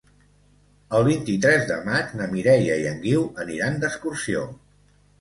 El vint-i-tres de maig na Mireia i en Guiu aniran d'excursió.